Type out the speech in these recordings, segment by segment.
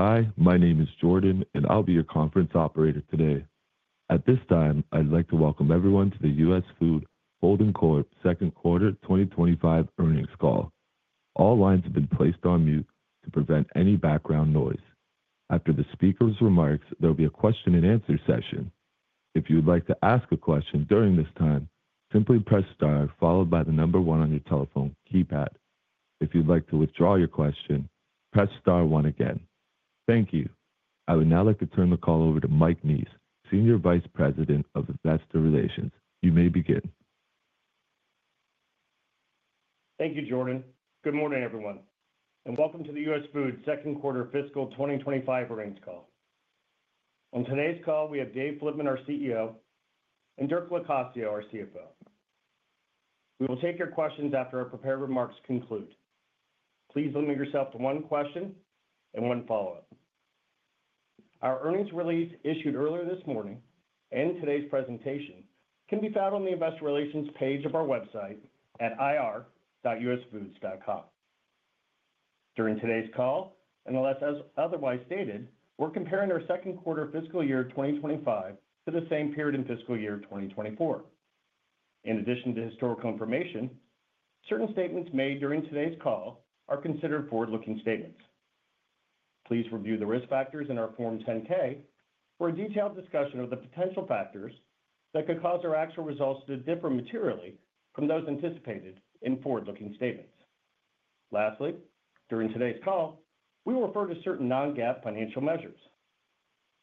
Thank you for standing by. My name is Jordan and I'll be your conference operator today. At this time I'd like to welcome everyone to the US Foods Holding Corp. second quarter 2025 earnings call. All lines have been placed on mute to prevent any background noise. After the speakers' remarks, there will be a question and answer session. If you would like to ask a question during this time, simply press STAR followed by the number one on your telephone keypad. If you'd like to withdraw your question, press STAR one again. Thank you. I would now like to turn the call over to Michael Neese, Senior Vice President of Investor Relations. You may begin. Thank you, Jordan. Good morning everyone and welcome to the US Foods second quarter fiscal 2025 earnings call. On today's call we have David Flitman, our CEO, and Dirk Locascio, our CFO. We will take your questions after our prepared remarks conclude. Please limit yourself to one question and one follow-up. Our earnings release issued earlier this morning and today's presentation can be found on the investor relations page of our website at ir.usfoods.com. During today's call, and unless otherwise stated, we're comparing our second quarter fiscal year 2025 to the same period in fiscal year 2024. In addition to historical information, certain statements made during today's call are considered forward-looking statements. Please review the risk factors in our Form 10-K for a detailed discussion of the potential factors that could cause our actual results to differ materially from those anticipated in forward-looking statements. Lastly, during today's call we will refer to certain non-GAAP financial measures.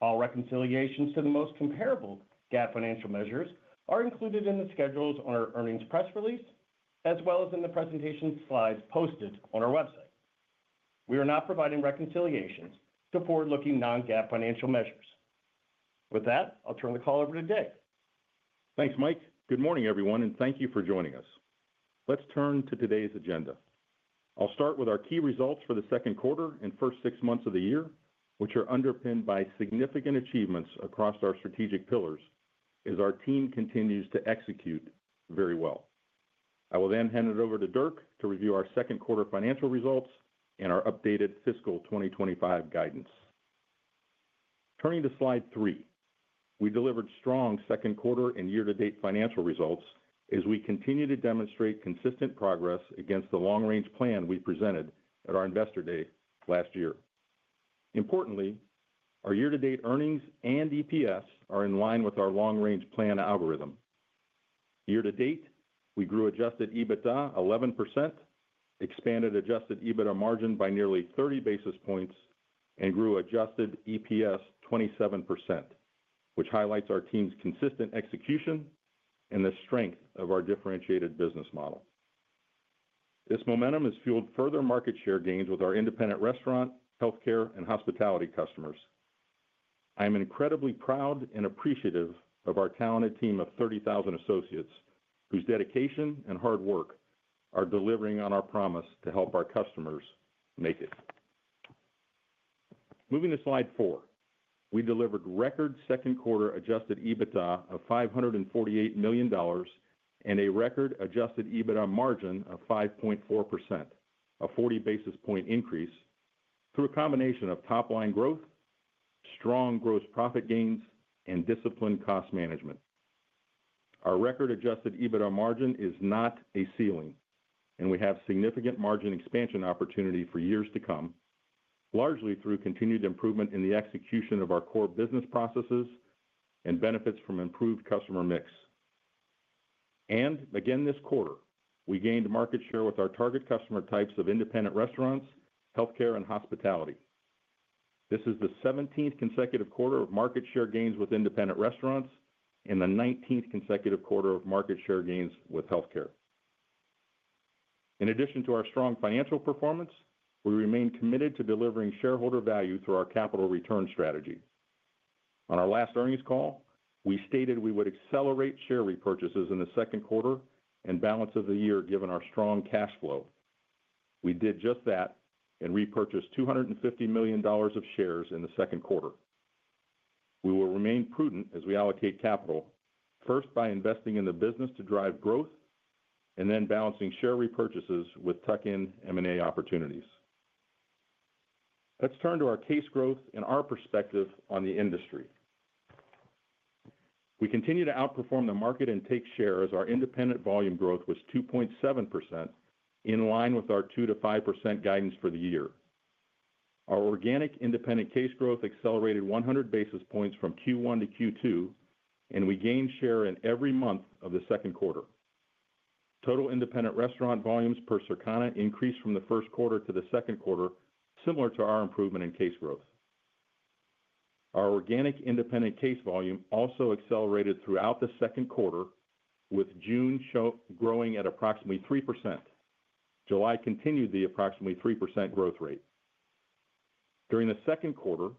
All reconciliations to the most comparable GAAP financial measures are included in the schedules on our earnings press release as well as in the presentation slides posted on our website. We are not providing reconciliations to forward-looking non-GAAP financial measures. With that, I'll turn the call over to David. Thanks Michael. Good morning everyone and thank you for joining us. Let's turn to today's agenda. I'll start with our key results for the second quarter and first six months of the year, which are underpinned by significant achievements across our strategic pillars as our team continues to execute very well. I will then hand it over to Dirk to review our second quarter financial results and our updated fiscal 2025 guidance. Turning to Slide 3, we delivered strong second quarter and year to date financial results as we continue to demonstrate consistent progress against the Long Range Plan we presented at our Investor Day last year. Importantly, our year to date earnings and EPS are in line with our Long Range Plan algorithm. Year to date we grew adjusted EBITDA 11%, expanded adjusted EBITDA margin by nearly 30 basis points, and grew adjusted EPS 27%, which highlights our team's consistent execution and the strength of our differentiated business model. This momentum has fueled further market share gains with our independent restaurant, healthcare, and hospitality customers. I am incredibly proud and appreciative of our talented team of 30,000 associates whose dedication and hard work are delivering on our promise to help our customers make it. Moving to Slide 4, we delivered record second quarter adjusted EBITDA of $548 million and a record adjusted EBITDA margin of 5.4%, a 40 basis point increase through a combination of top line growth, strong gross profit gains, and disciplined cost management. Our record adjusted EBITDA margin is not a ceiling, and we have significant margin expansion opportunity for years to come, largely through continued improvement in the execution of our core business processes and benefits from improved customer mix. Again this quarter, we gained market share with our target customer types of independent restaurants, healthcare, and hospitality. This is the 17th consecutive quarter of market share gains with independent restaurants and the 19th consecutive quarter of market share gains with healthcare. In addition to our strong financial performance, we remain committed to delivering shareholder value through our capital return strategy. On our last earnings call, we stated we would accelerate share repurchases in the second quarter and balance of the year given our strong cash flow. We did just that and repurchased $250 million of shares in the second quarter. We will remain prudent as we allocate capital, first by investing in the business to drive growth and then balancing share repurchases with tuck-in M&A opportunities. Let's turn to our case growth and our perspective on the industry. We continue to outperform the market and take share as our independent volume growth was 2.7% in line with our 2%-5% guidance for the year. Our organic independent case growth accelerated 100 basis points from Q1 to Q2, and we gained share in every month of the second quarter. Total independent restaurant volumes per Circana increased from the first quarter to the second quarter. Similar to our improvement in case growth, our organic independent case volume also accelerated throughout the second quarter, with June growing at approximately 3%. July continued the approximately 3% growth rate. During the second quarter,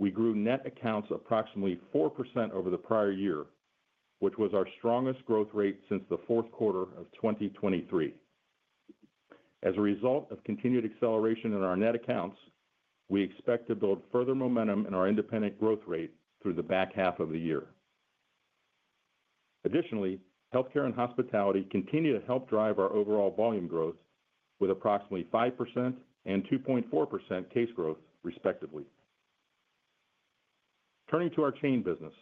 we grew net accounts approximately 4% over the prior year, which was our strongest growth rate since the fourth quarter of 2023. As a result of continued acceleration in our net accounts, we expect to build further momentum in our independent growth rate through the back half of the year. Additionally, healthcare and hospitality continue to help drive our overall volume growth, with approximately 5% and 2.4% case growth, respectively. Turning to our chain business,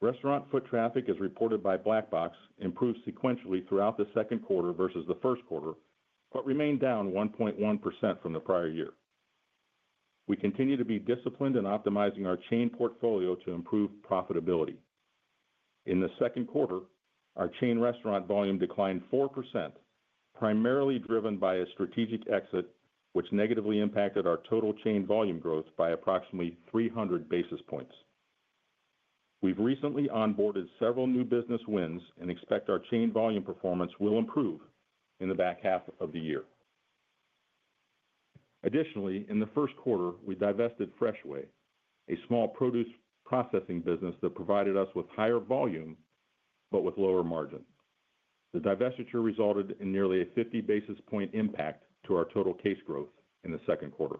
restaurant foot traffic as reported by Black Box improved sequentially throughout the second quarter versus the first quarter, but remained down 1.1% from the prior year. We continue to be disciplined in optimizing our chain portfolio to improve profitability. In the second quarter, our chain restaurant volume declined 4%, primarily driven by a strategic exit, which negatively impacted our total chain volume growth by approximately 300 basis points. We've recently onboarded several new business wins and expect our chain volume performance will improve in the back half of the year. Additionally, in the first quarter, we divested Freshway, a small produce processing business that provided us with higher volume but with lower margin. The divestiture resulted in nearly a 50 basis point impact to our total case growth in the second quarter.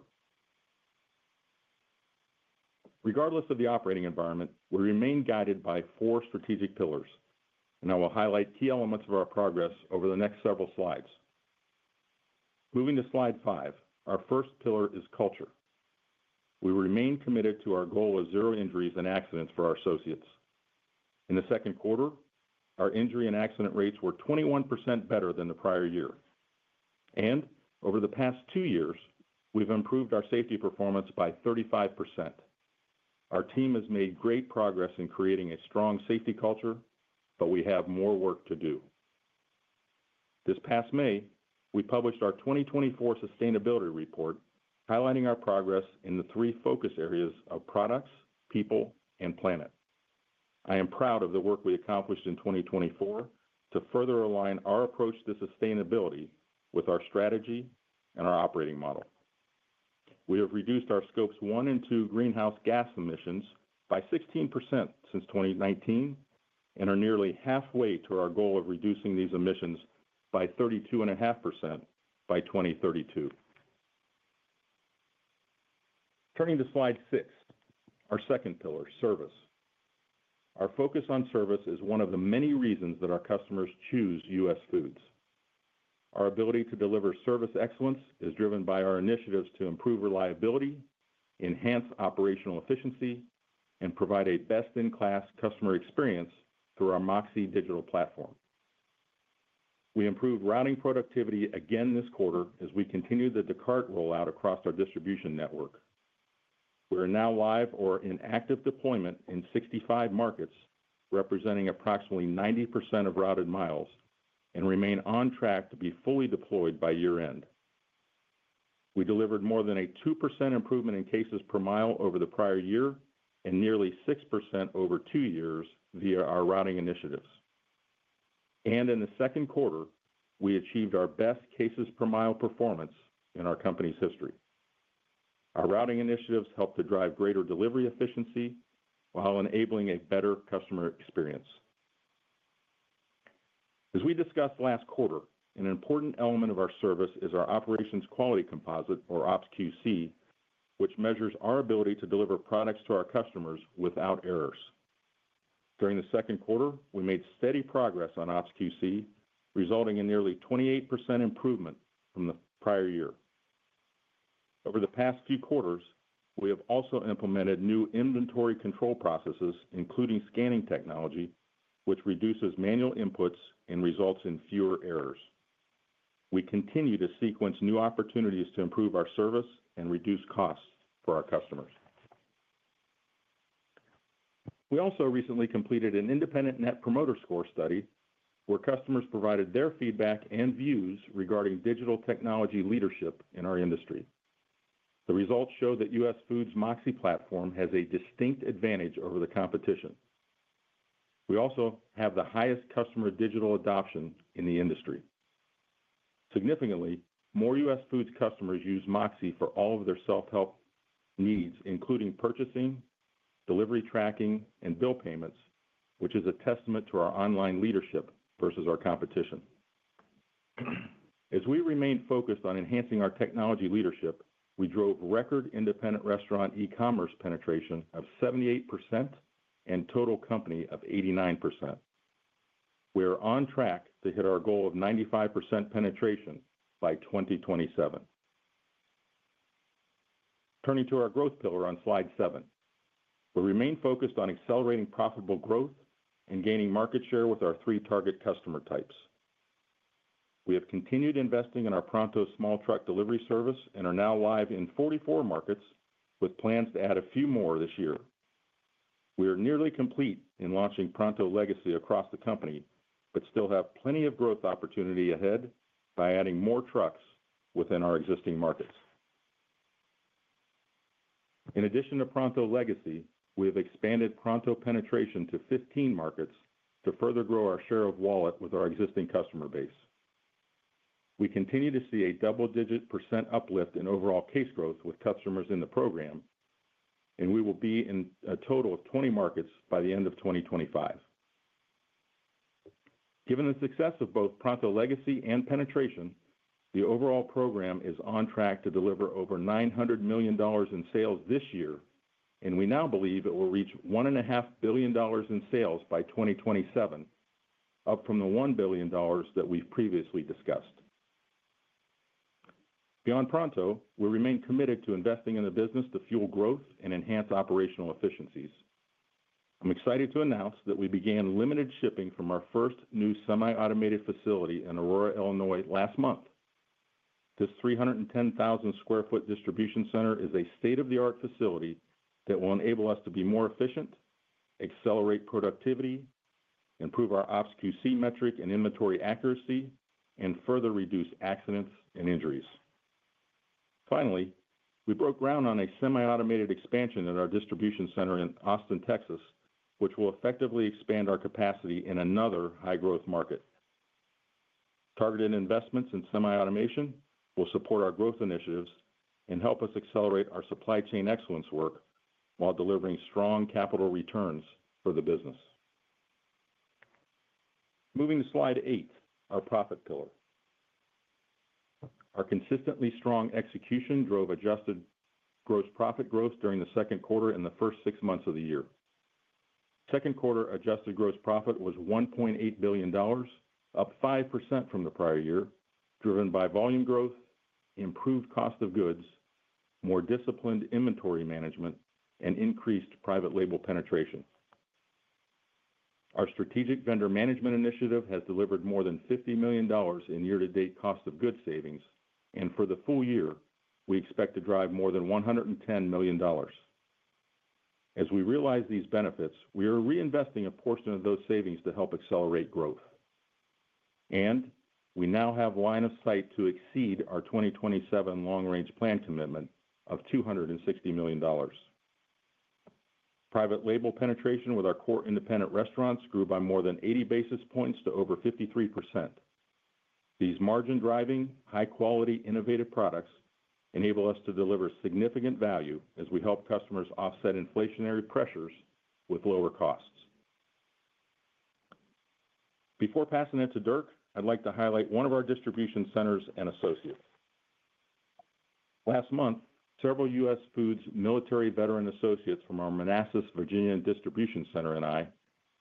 Regardless of the operating environment, we remain guided by four strategic pillars, and I will highlight key elements of our progress over the next several slides. Moving to slide five, our first pillar is culture. We remain committed to our goal of zero injuries and accidents for our associates. In the second quarter, our injury and accident rates were 21% better than the prior year, and over the past two years, we've improved our safety performance by 35%. Our team has made great progress in creating a strong safety culture, but we have more work to do. This past May we published our 2024 sustainability report highlighting our progress in the three focus areas of Products, Safety, People, and Planet. I am proud of the work we accomplished in 2024 to further align our approach to sustainability with our strategy and our operating model. We have reduced our Scope 1 and 2 greenhouse gas emissions by 16% since 2019 and are nearly halfway to our goal of reducing these emissions by 32.5% by 2032. Turning to Slide 6, our second pillar, Service. Our focus on service is one of the many reasons that our customers choose US Foods. Our ability to deliver service excellence is driven by our initiatives to improve reliability, enhance operational efficiency, and provide a best-in-class customer experience through our MOXē digital platform. We improved routing productivity again this quarter as we continue the Descartes rollout across our distribution network. We are now live or in active deployment in 65 markets representing approximately 90% of routed miles and remain on track to be fully deployed by year-end. We delivered more than a 2% improvement in cases per mile over the prior year and nearly 6% over two years via our routing initiatives, and in the second quarter, we achieved our best cases per mile performance in our company's history. Our routing initiatives helped to drive greater delivery efficiency while enabling a better customer experience. As we discussed last quarter, an important element of our service is our Operations Quality Composite, or OPS QC, which measures our ability to deliver products to our customers without errors. During the second quarter, we made steady progress on OPS QC, resulting in nearly 28% improvement from the prior year. Over the past few quarters, we have also implemented new inventory control processes, including scanning technology, which reduces manual inputs and results in fewer errors. We continue to sequence new opportunities to improve our service and reduce costs for our customers. We also recently completed an independent Net Promoter Score study where customers provided their feedback and views regarding digital technology leadership in our industry. The results show that US Foods MOXē platform has a distinct advantage over the competition. We also have the highest customer digital adoption in the industry. Significantly more U.S. US Foods customers use MOXē for all of their self-help needs including purchasing, delivery, tracking, and bill payments, which is a testament to our online leadership versus our competition. As we remain focused on enhancing our technology leadership, we drove record independent restaurant e-commerce penetration of 78% and total company of 89%. We are on track to hit our goal of 95% penetration by 2027. Turning to our growth pillar on slide 7, we remain focused on accelerating profitable growth and gaining market share with our three target customer types. We have continued investing in our Pronto small truck delivery service and are now live in 44 markets with plans to add a few more this year. We are nearly complete in launching Pronto Legacy across the company but still have plenty of growth opportunity ahead by adding more trucks within our existing markets. In addition to Pronto Legacy, we have expanded Pronto penetration to 15 markets to further grow our share of wallet with our existing customer base. We continue to see a double-digit percent uplift in overall case growth with customers in the program, and we will be in a total of 20 markets by the end of 2025. Given the success of both Pronto Legacy and penetration, the overall program is on track to deliver over $900 million in sales this year, and we now believe it will reach $1.5 billion in sales by 2027, up from the $1 billion that we've previously discussed. Beyond Pronto, we remain committed to investing in the business to fuel growth and enhance operational efficiencies. I'm excited to announce that we began limited shipping from our first new semi-automated facility in Aurora, Illinois last month. This 310,000 sq ft distribution center is a state-of-the-art facility that will enable us to be more efficient, accelerate productivity, improve our Ops QC metric and inventory accuracy, and further reduce accidents and injuries. Finally, we broke ground on a semi-automated expansion at our distribution center in Austin, Texas, which will effectively expand our capacity in another high-growth market. Targeted investments in semi-automation will support our growth initiatives and help us accelerate our supply chain excellence work while delivering strong capital returns for the business. Moving to slide 8, our profit pillar, our consistently strong execution drove adjusted gross profit growth during the second quarter and the first six months of the year. Second quarter adjusted gross profit was $1.8 billion, up 5% from the prior year, driven by volume growth, improved cost of goods, more disciplined inventory management, and increased private label penetration. Our Strategic Vendor Management initiative has delivered more than $50 million in year-to-date cost of goods savings, and for the full year we expect to drive more than $110 million. As we realize these benefits, we are reinvesting a portion of those savings to help accelerate growth, and we now have line of sight to exceed our 2027 Long Range Plan commitment of $260 million. Private label penetration with our core independent restaurants grew by more than 80 basis points to over 53%. These margin-driving, high-quality, innovative products enable us to deliver significant value as we help customers offset inflationary pressures with lower costs. Before passing it to Dirk, I'd like to highlight one of our distribution centers and associates. Last month, several US Foods military veteran associates from our Manassas, Virginia distribution center and I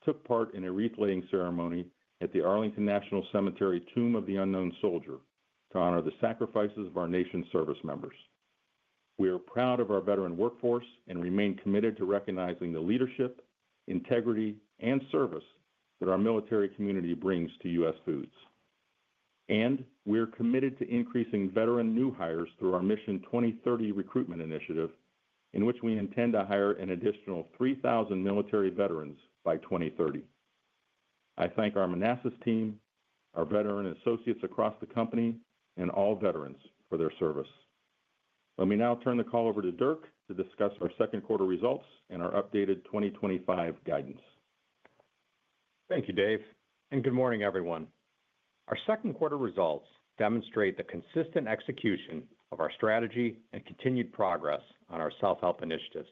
took part in a wreath-laying ceremony at the Arlington National Cemetery Tomb of the Unknown Soldier to honor the sacrifices of our nation's service members. We are proud of our veteran workforce and remain committed to recognizing the leadership, integrity, and service that our military community brings to US Foods. We are committed to increasing veteran new hires through our Mission 2030 recruitment initiative, in which we intend to hire an additional 3,000 military veterans by 2030. I thank our Manassas team, our veteran associates across the company, and all veterans for their service. Let me now turn the call over to Dirk to discuss our second quarter results and our updated 2025 guidance. Thank you, David, and good morning, everyone. Our second quarter results demonstrate the consistent execution of our strategy and continued progress on our self-help initiatives.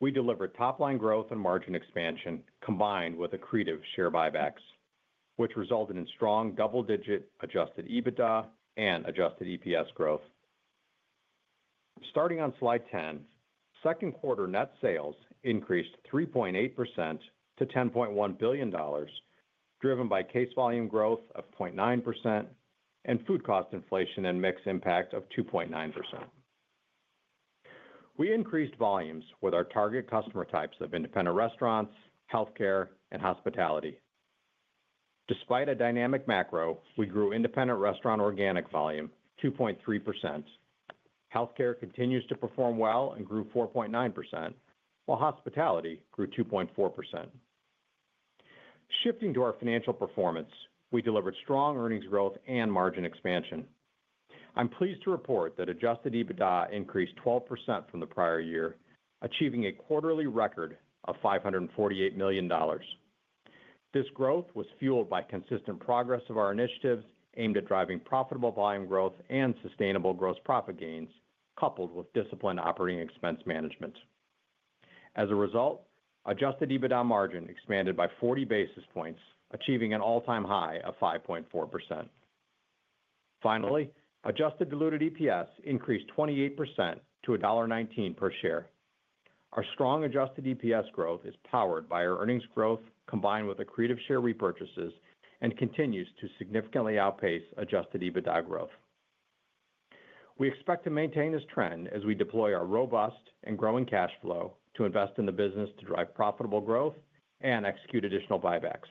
We delivered top-line growth and margin expansion combined with accretive share buybacks, which resulted in strong double-digit adjusted EBITDA and adjusted EPS growth. Starting on slide 10. Second quarter net sales increased 3.8% to $10.1 billion, driven by case volume growth of 0.9% and food cost inflation and mix impact of 2.9%. We increased volumes with our target customer types of independent restaurants, health care, and hospitality. Despite a dynamic macro, we grew independent restaurant organic volume 2.3%. Healthcare continues to perform well and grew 4.9% while hospitality grew 2.4%. Shifting to our financial performance, we delivered strong earnings growth and margin expansion. I'm pleased to report that adjusted EBITDA increased 12% from the prior year, achieving a quarterly record of $548 million. This growth was fueled by consistent progress of our initiatives aimed at driving profitable volume growth and sustainable gross profit gains, coupled with disciplined operating expense management. As a result, adjusted EBITDA margin expanded by 40 basis points, achieving an all-time high of 5.4%. Finally, adjusted diluted EPS increased 28% to $1.19 per share. Our strong adjusted EPS growth is powered by our earnings growth combined with accretive share repurchases and continues to significantly outpace adjusted EBITDA. We expect to maintain this trend as we deploy our robust and growing cash flow to invest in the business to drive profitable growth and execute additional buybacks.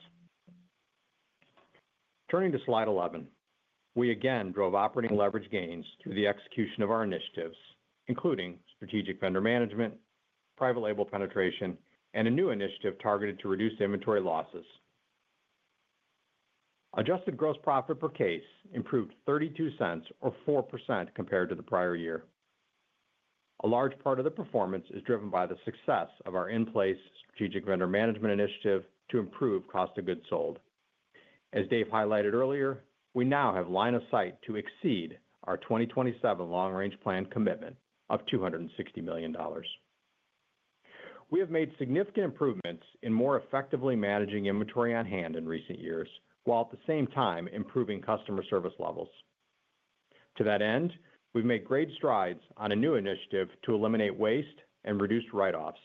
Turning to slide 11, we again drove operating leverage gains through the execution of our initiatives including Strategic Vendor Management, private label penetration, and a new initiative targeted to reduce inventory losses. Adjusted gross profit per case improved $0.32 or 4% compared to the prior year. A large part of the performance is driven by the success of our in-place Strategic Vendor Management initiative to improve cost of goods sold. As David highlighted earlier, we now have line of sight to exceed our 2027 Long Range Plan commitment of $260 million. We have made significant improvements in more effectively managing inventory on hand in recent years while at the same time improving customer service levels. To that end, we've made great strides on a new initiative to eliminate waste and reduce write-offs.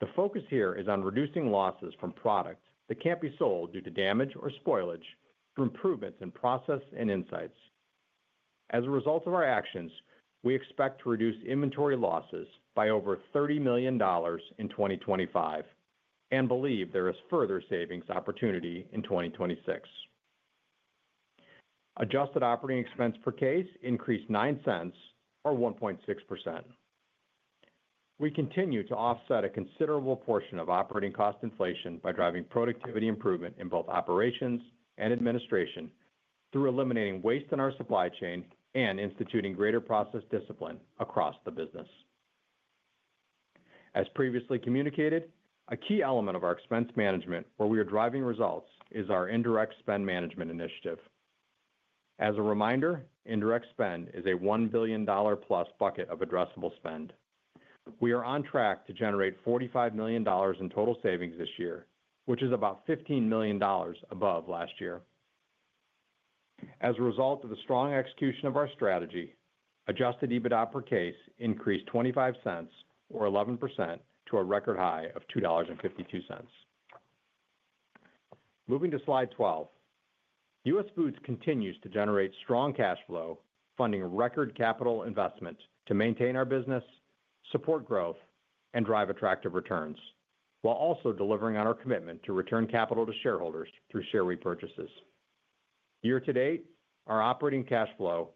The focus here is on reducing losses from product that can't be sold due to damage or spoilage through improvements in process and insights. As a result of our actions, we expect to reduce inventory losses by over $30 million in 2025 and believe there is further savings opportunity. In 2026, adjusted operating expense per case increased $0.09 or 1.6%. We continue to offset a considerable portion of operating cost inflation by driving productivity improvement in both operations and administration through eliminating waste in our supply chain and instituting greater process discipline across the business. As previously communicated, a key element of our expense management where we are driving results is our Indirect Spend management initiative. As a reminder, indirect spend is a $1 billion+ bucket of addressable spend. We are on track to generate $45 million in total savings this year, which is about $15 million above last year. As a result of the strong execution of our strategy, adjusted EBITDA per case increased $0.25 or 11% to a record high of $2.52. Moving to slide 12, US Foods continues to generate strong cash flow funding record capital investment to maintain our business, support growth, and drive attractive returns while also delivering on our commitment to return capital to shareholders through share repurchases. Year to date, our operating cash flow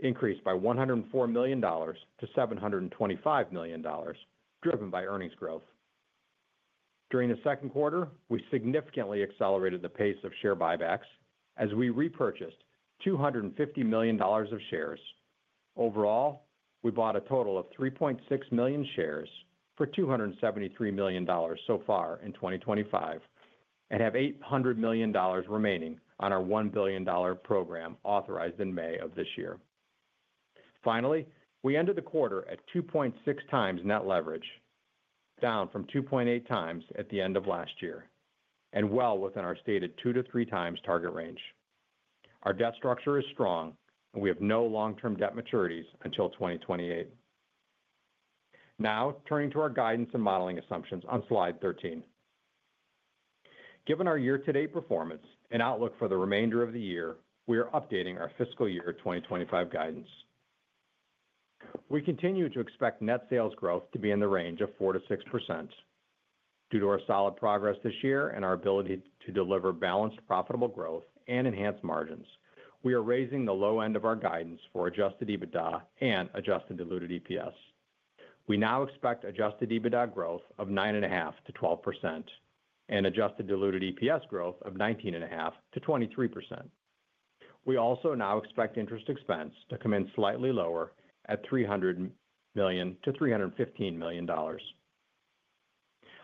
increased by $104 million-$725 million, driven by earnings growth. During the second quarter, we significantly accelerated the pace of share buybacks as we repurchased $250 million of shares. Overall, we bought a total of 3.6 million shares for $273 million so far in 2025 and have $800 million remaining on our $1 billion program authorized in May of this year. Finally, we ended the quarter at 2.6x net leverage, down from 2.8x at the end of last year and well within our stated two to three times target range. Our debt structure is strong and we have no long-term debt maturities until 2028. Now turning to our guidance and modeling assumptions on slide 13, given our year to date performance and outlook for the remainder of the year, we are updating our fiscal year 2025 guidance. We continue to expect net sales growth to be in the range of 4% to 6%. Due to our solid progress this year and our ability to deliver balanced profitable growth and enhanced margins, we are raising the low end of our guidance for adjusted EBITDA and adjusted diluted EPS. We now expect adjusted EBITDA growth of 9.5%-12% and adjusted diluted EPS growth of 19.5%-23%. We also now expect interest expense to come in slightly lower at $300 million-$315 million.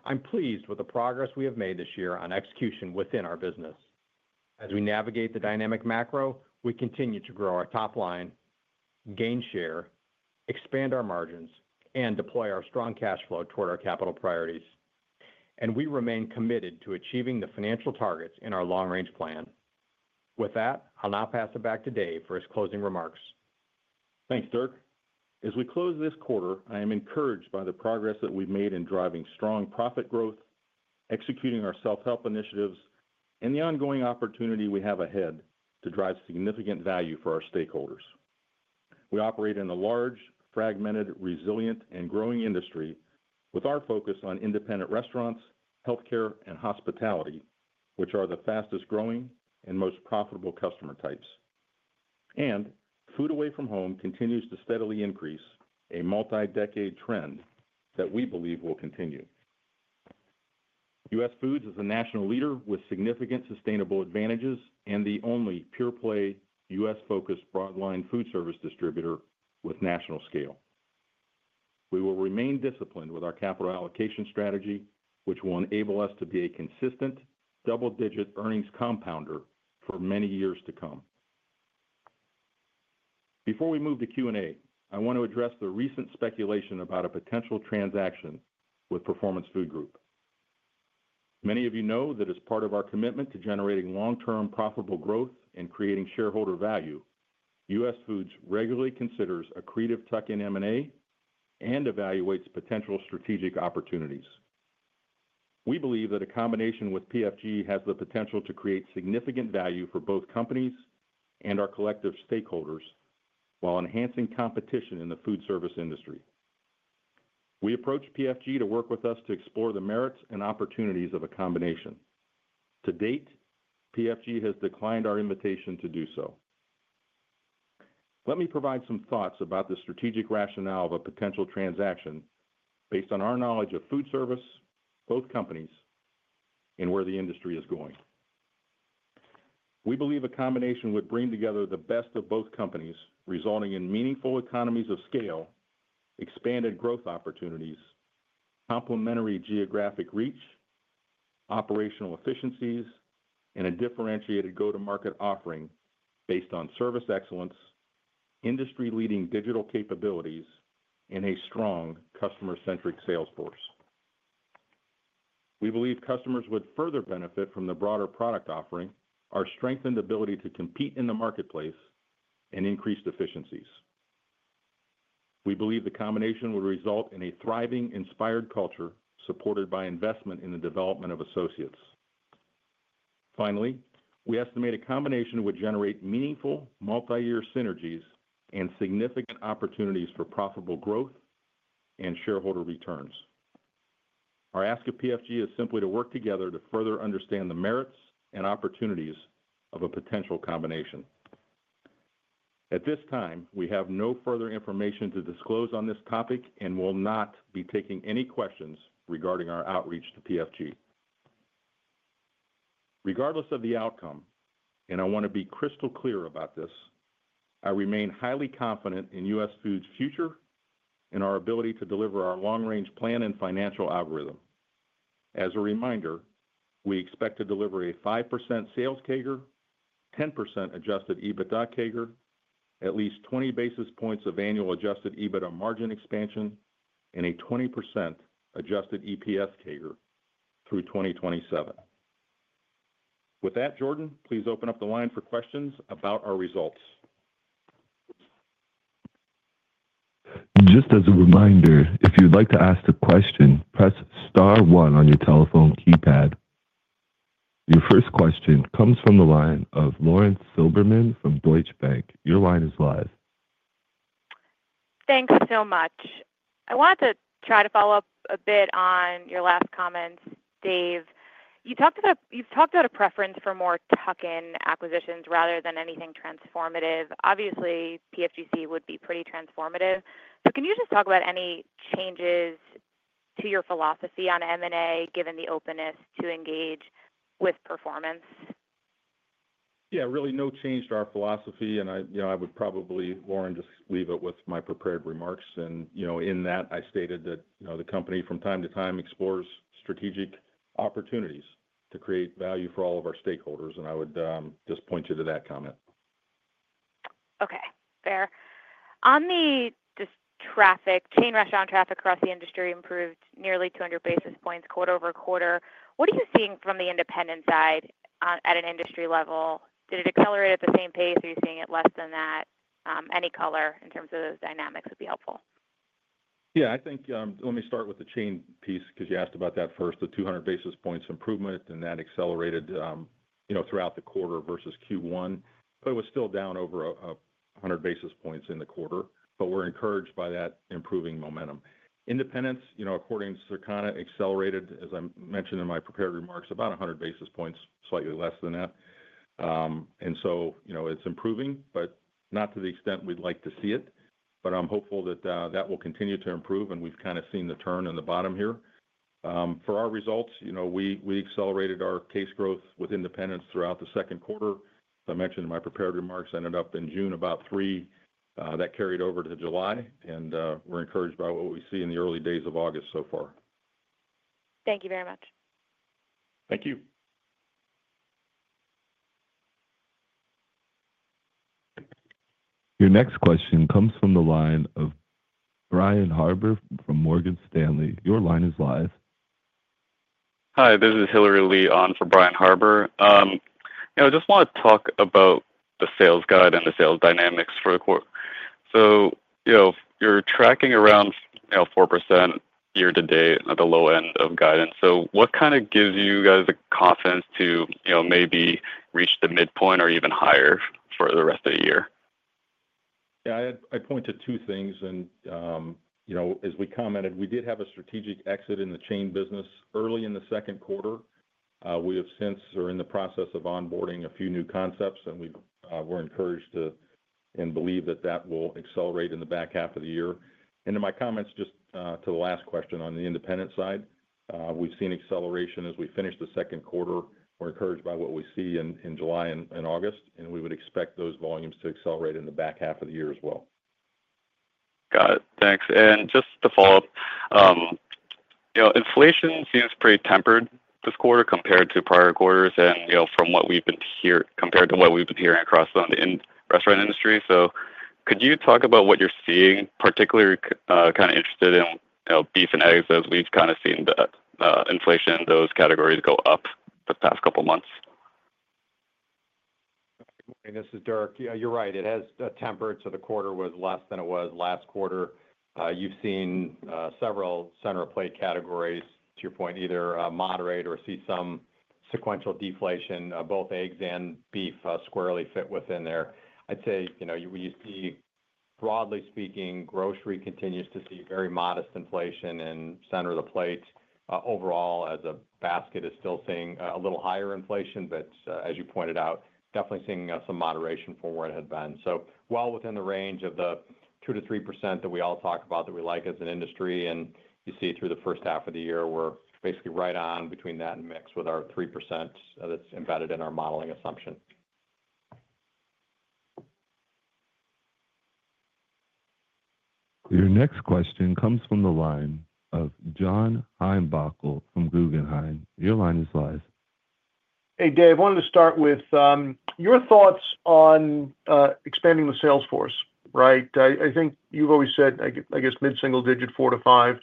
I'm pleased with the progress we have made this year on execution within our business as we navigate the dynamic macro. We continue to grow our top line, gain share, expand our margins, and deploy our strong cash flow toward our capital priorities, and we remain committed to achieving the financial targets in our Long Range Plan. With that, I'll now pass it back to David for his closing remarks. Thanks Dirk. As we close this quarter, I am encouraged by the progress that we've made in driving strong profit growth, executing our self help initiatives, and the ongoing opportunity we have ahead to drive significant value for our stakeholders. We operate in a large, fragmented, resilient, and growing industry with our focus on independent restaurants, health care, and hospitality, which are the fastest growing and most profitable customer types, and food away from home continues to steadily increase, a multi decade trend that we believe will continue. US Foods is a national leader with significant sustainable advantages and the only pure play U.S. focused broadline food service distributor with national scale. We will remain disciplined with our capital allocation strategy, which will enable us to be a consistent double digit earnings compounder for many years to come. Before we move to Q and A, I want to address the recent speculation about a potential transaction with Performance Food Group. Many of you know that as part of our commitment to generating long term profitable growth and creating shareholder value, US Foods regularly considers accretive tuck in M&A and evaluates potential strategic opportunities. We believe that a combination with PFG has the potential to create significant value for both companies and our collective stakeholders while enhancing competition in the food service industry. We approached PFG to work with us to explore the merits and opportunities of a combination. To date, PFG has declined our invitation to do so. Let me provide some thoughts about the strategic rationale of a potential transaction based on our knowledge of food service, both companies, and where the industry is going. We believe a combination would bring together the best of both companies, resulting in meaningful economies of scale, expanded growth opportunities, complementary geographic reach, operational efficiencies, and a differentiated go to market offering based on service excellence, industry leading digital capabilities, and a strong customer centric sales force. We believe customers would further benefit from the broader product offering, our strengthened ability to compete in the marketplace, and increased efficiencies. We believe the combination will result in a thriving, inspired culture supported by investment in the development of associates. Finally, we estimate a combination would generate meaningful multi-year synergies and significant opportunities for profitable growth and shareholder returns. Our ask of Performance Food Group is simply to work together to further understand the merits and opportunities of a potential combination. At this time, we have no further information to disclose on this topic and will not be taking any questions regarding our outreach to Performance Food Group. Regardless of the outcome, and I want to be crystal clear about this, I remain highly confident in US Foods' future and our ability to deliver our long-range plan and financial algorithm. As a reminder, we expect to deliver a 5% sales CAGR, 10% adjusted EBITDA CAGR, at least 20 basis points of annual adjusted EBITDA margin expansion, and a 20% adjusted EPS CAGR through 2027. With that, Jordan, please open up the line for questions about our results. Just as a reminder, if you'd like to ask a question, press Star one on your telephone keypad. Your first question comes from the line of Lauren Silberman from Deutsche Bank. Your line is live. Thanks so much. I want to try to follow up a bit on your last comments. David, you talked about, you've talked about a preference for more tuck-in acquisitions rather than anything transformative. Obviously, Performance Food Group would be pretty transformative. Can you just talk about any changes to your philosophy on M&A given the openness to engage with Performance? Yeah, really no change to our philosophy. I would probably, Lauren, just leave it with my prepared remarks. In that, I stated that the company from time to time explores strategic opportunities to create value for all of our stakeholders. I would just point you to that comment. Okay, fair. On the traffic, chain restaurant traffic across the industry improved nearly 200 basis points quarter-over-quarter. What are you seeing from the independent side at an industry level? Did it accelerate at the same pace? Are you seeing it less than that? Any color in terms of those dynamics would be helpful. Yeah, I think. Let me start with the chain piece because you asked about that first, the 200 basis points improvement, and that accelerated throughout the quarter versus Q1, but it was still down over 100 basis points in the quarter. We're encouraged by that improving momentum. Independents, according to Circana, accelerated, as I mentioned in my prepared remarks, about 100 basis points, slightly less than that. You know, it's improving, but not to the extent we'd like to see it. I'm hopeful that that will continue to improve. We've kind of seen the turn on the bottom here for our results. We accelerated our case growth with independents throughout the second quarter. I mentioned in my prepared remarks, ended up in June about 3% that carried over to July. We're encouraged by what we see in the early days of August so far. Thank you very much. Thank you. Your next question comes from the line of Brian Harbour from Morgan Stanley. Your line is live. Hi, this is Hilary Lee on for Brian Harbour. I just want to talk about the sales guide and the sales dynamics for the Corp. You're tracking around 4% year to date at the low end of guidance. What kind of gives you guys the confidence to maybe reach the midpoint or even higher for the rest of the year? I point to two things and, as we commented, we did have a strategic exit in the chain business early in the second quarter. We have since are in the process of onboarding a few new concepts and we were encouraged to and believe that that will accelerate in the back half of the year. In my comments just to the last question, on the independent side, we've seen acceleration as we finish the second quarter. We're encouraged by what we see in July and August and we would expect those volumes to accelerate in the back half of the year as well. Got it, thanks. Just to follow up, inflation seems pretty tempered this quarter compared to prior quarters and from what we've been hearing across the restaurant industry. Could you talk about what you're seeing, particularly kind of interested in beef and eggs as we've kind of seen the inflation in those categories go up the past couple months. This is Dirk. You're right, it has tempered. The quarter was less than it was last quarter. You've seen several center plate categories, to your point, either moderate or see some sequential deflation. Both eggs and beef squarely fit within there. I'd say broadly speaking, grocery continues to see very modest inflation in center of the plate. Overall, as a basket, it is still seeing a little higher inflation but, as you pointed out, definitely seeing some moderation from where it had been, so well within the range of the 2%-3% that we all talk about that we like as an industry. You see through the first half of the year we're basically right on between that and mix with our 3% that's embedded in our modeling assumption. Your next question comes from the line of John Heinbockel from Guggenheim. Your line is live. Hey David, wanted to start with your thoughts on expanding the salesforce. Right. I think you've always said, I guess mid single digit, 4%-5%,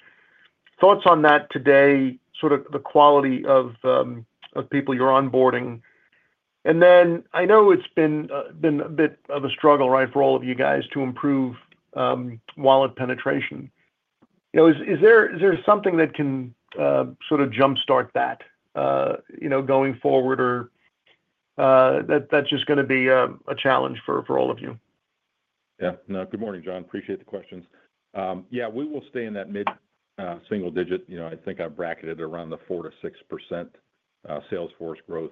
thoughts on that today, sort of the quality of people you're onboarding. I know it's been a bit of a struggle for all of you guys to improve wallet penetration. Is there something that can sort of jumpstart that going forward or is that just going to be a challenge for all of you? Yeah. Good morning John. Appreciate the questions. We will stay in that mid single digit. I think I bracketed around the 4%-6% salesforce growth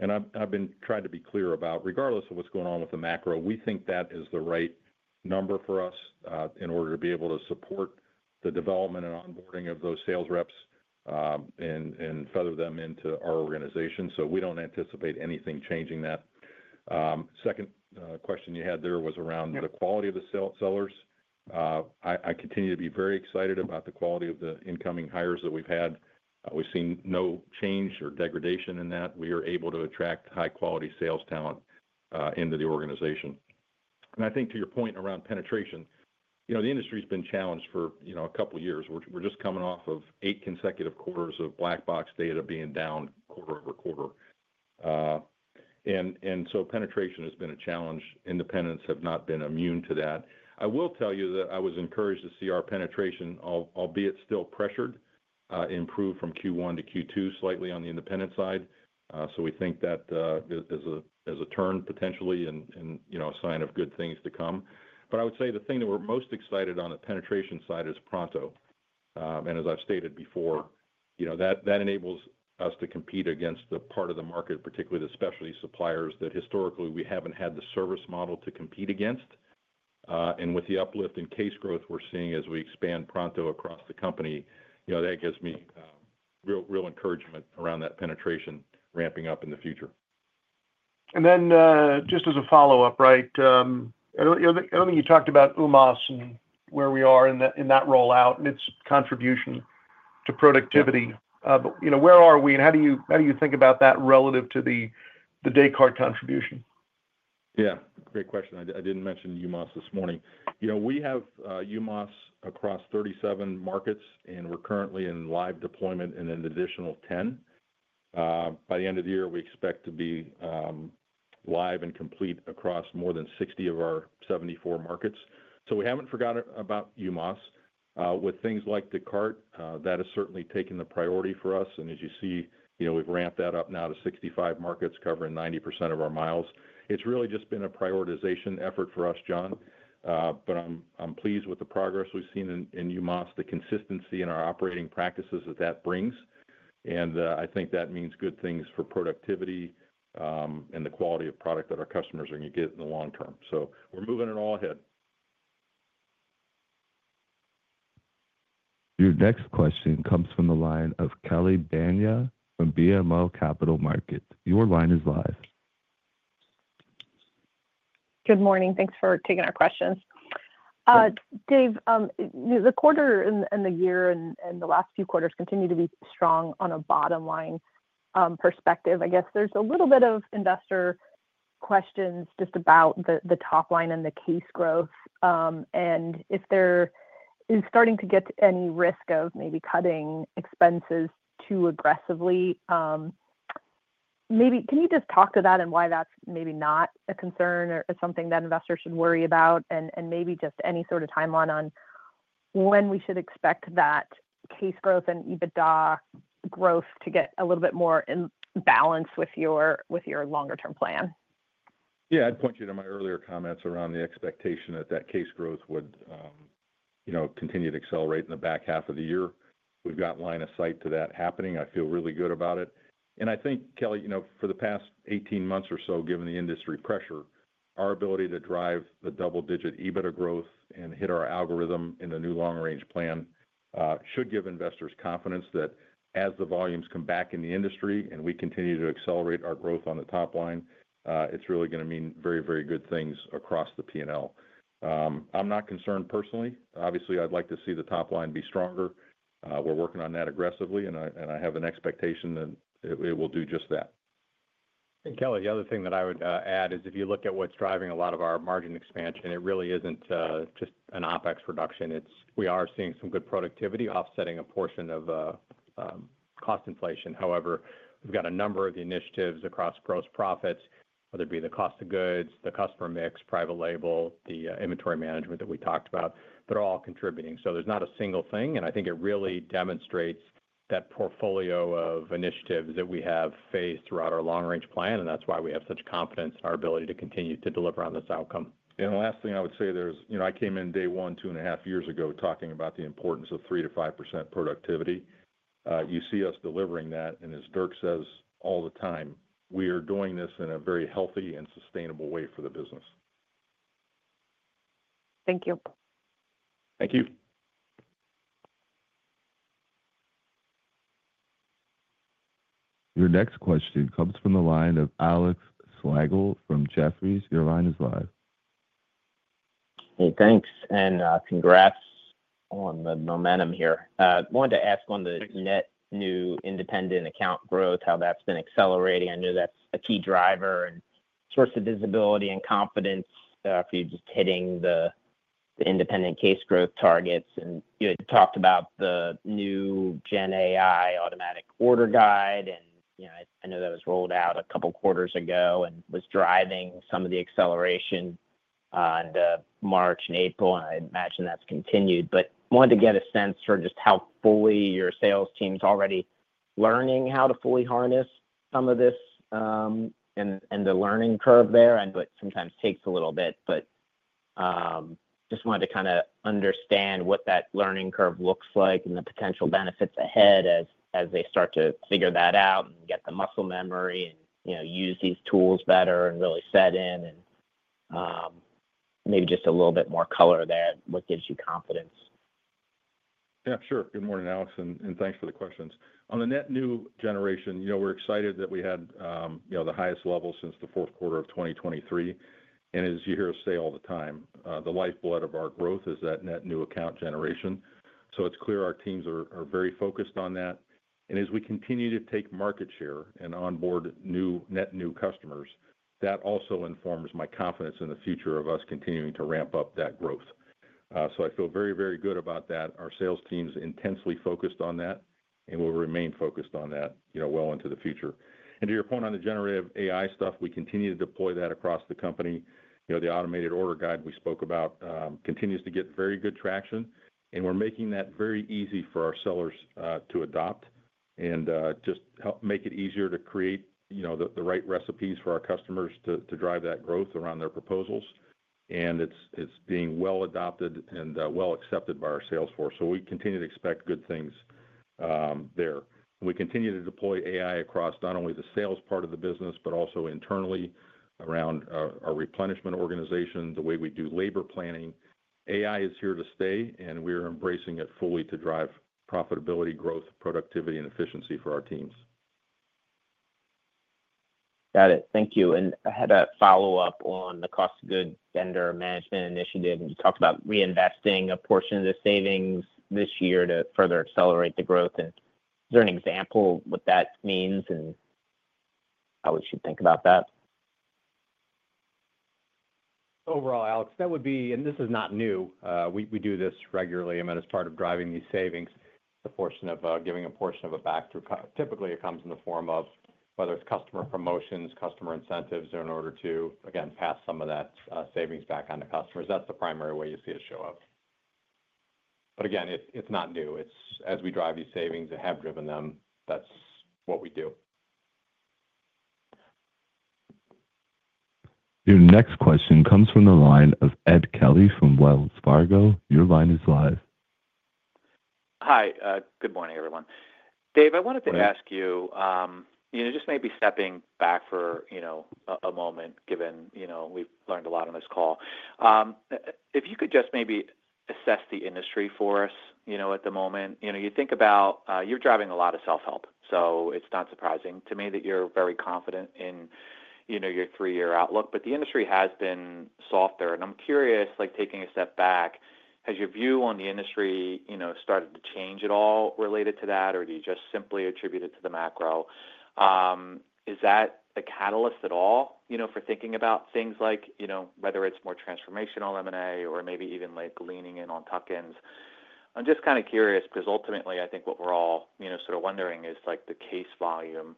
and I've been trying to be clear about regardless of what's going on with the macro, we think that is the right number for us in order to be able to support the development and onboarding of those sales reps and feather them into our organization. We don't anticipate anything changing. That second question you had there was around the quality of the sellers. I continue to be very excited about the quality of the incoming hires that we've had. We've seen no change or degradation in that. We are able to attract high quality sales talent into the organization. I think to your point around penetration, the industry's been challenged for a couple years. We're just coming off of eight consecutive quarters of Black Box data being down quarter-over-quarter, and penetration has been a challenge. Independents have not been immune to that. I was encouraged to see our penetration, albeit still pressured, improve from Q1 to Q2 slightly on the independent side. We think that as a turn potentially and a sign of good things to come. I would say the thing that we're most excited on the penetration side is Pronto. As I've stated before, that enables us to compete against the part of the market, particularly the specialty suppliers that historically we haven't had the service model to compete against. With the uplift in case growth we're seeing as we expand Pronto across the company, that gives me real encouragement around that penetration ramping up in the future. I don't think you talked about UMass and where we are in that rollout and its contribution to productivity. Where are we and how do you think about that relative to the Descartes contribution? Great question. I didn't mention UMass this morning. We have UMass across 37 markets and we're currently in live deployment. In addition, by the end of the year we expect to be live and complete across more than 60 of our 74 markets. We haven't forgotten about UMass with things like Descartes. That has certainly taken the priority for us. As you see, we've ramped that up now to 65 markets covering 90% of our miles. It's really just been a prioritization effort for us, John. I'm pleased with the progress we've seen in UMass, the consistency in our operating practices that brings. I think that means good things for productivity and the quality of product that our customers are going to get in the long term. We're moving it all ahead. Your next question comes from the line of Kelly Bania from BMO Capital Markets. Your line is live. Good morning. Thanks for taking our questions, David. The quarter and the year and the last few quarters continue to be strong on a bottom line perspective. I guess there's a little bit of investor questions just about the top line and the case growth and if there is starting to get any risk of maybe cutting expenses too aggressively. Maybe can you just talk to that and why that's maybe not a concern or something that investors should worry about and maybe just any sort of timeline on when we should expect that case growth and EBITDA growth to get a little bit more in balance with your longer term plan. I'd point you to my earlier comments around the expectation that case growth would continue to accelerate in the back half of the year. We've got line of sight to that happening. I feel really good about it and I think, Kelly, for the past 18 months or so, given the industry pressure, our ability to drive the double-digit EBITDA growth and hit our algorithm in the new Long Range Plan should give investors confidence that as the volumes come back in the industry and we continue to accelerate our growth on the top line, it's really going to mean very, very good things across the P&L. I'm not concerned personally. Obviously, I'd like to see the top line be stronger. We're working on that aggressively and I have an expectation that it will do just that. Kelly, the other thing that I would add is if you look at what's driving a lot of our margin expansion, it really isn't just an OpEx reduction. We are seeing some good productivity offsetting a portion of cost inflation. However, we've got a number of the initiatives across gross profits, whether it be the cost of goods, the customer mix, private label, the inventory management that we talked about that are all contributing. There's not a single thing. I think it really demonstrates that portfolio of initiatives that we have faced throughout our Long Range Plan and that's why we have such confidence in our ability to continue to deliver on this outcome. Last thing I would say, I came in day one, two and a half years ago talking about the importance of 3%-5% productivity. You see us delivering that and as Dirk says all the time, we are doing this in a very healthy and sustainable way for the business. Thank you. Thank you. Your next question comes from the line of Alex Slagle from Jefferies. Your line is live. Hey, thanks and congrats on the momentum here. Wanted to ask on the net new independent account growth, how that's been accelerating. I know that's a key driver and source of visibility and confidence for you, just hitting the independent case growth targets. You had talked about the new gen AI automatic order guide, and I know that was rolled out a couple quarters ago and was driving some of the acceleration in March and April and I imagine that's continued. Wanted to get a sense for just how fully your sales team's already learning how to fully harness some of this and the learning curve there. Sometimes it takes a little bit, but just wanted to kind of understand what that learning curve looks like and the potential benefits ahead as they start to figure that out and get the muscle memory and, you know, use these tools better and really set in and maybe just a little bit more color that what gives you confidence. Yeah, sure. Good morning, Alex, and thanks for the questions. On the net new generation, we're excited that we had the highest level since the fourth quarter of 2023. As you hear us say all the time, the lifeblood of our growth is that net new account generation. It's clear our teams are very focused on that. As we continue to take market share and onboard new net new customers, that also informs my confidence in the future of us continuing to ramp up that growth. I feel very, very good about that. Our sales team's intensely focused on that and we'll remain focused on that well into the future. To your point, on the generative AI stuff, we continue to deploy that across the company. The automated order guide we spoke about continues to get very good traction and we're making that very easy for our sellers to adopt and just help make it easier to create the right recipes for our customers to drive that growth around their proposals. It's being well adopted and well accepted by our sales force. We continue to expect good things there. We continue to deploy AI across not only the sales part of the business, but also internally around our replenishment organization. The way we do labor planning, AI is here to stay and we are embracing it fully to drive profitability, growth, productivity, and efficiency for our teams. Got it. Thank you. I had a follow up on the cost of good vendor management initiative, and you talked about reinvesting a portion of the savings this year to further accelerate the growth. Is there an example what that means and how we should think about that overall? Alex, that would be. This is not new, we do this regularly. It's part of driving these savings, the portion of giving a portion of it back through. Typically it comes in the form of whether it's customer promotions, customer incentives, in order to again pass some of that savings back on to customers. That's the primary way you see it show up. Again, it's not new. It's as we drive these savings that have driven them. That's what we do. Your next question comes from the line of Ed Kelly from Wells Fargo. Your line is live. Hi, good morning everyone. David, I wanted to ask you, just maybe stepping back for a moment given we've learned a lot on this call. If you could just maybe assess the industry for us at the moment, you think about you're driving a lot of self help, so it's not surprising that you're very confident in your three year outlook. The industry has been softer. I'm curious, taking a step back, has your view on the industry started to change at all related to that or do you just simply attribute it to the macro? Is that a catalyst at all for thinking about things like whether it's more transformational M&A or maybe even leaning in on tuck ins? I'm just curious because ultimately I think what we're all wondering is the case volume